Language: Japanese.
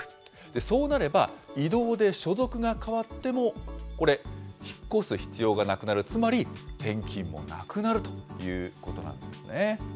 そうなれば、移動で所属が変わっても、これ、引っ越す必要がなくなる、つまり、転勤もなくなるということなんですよね。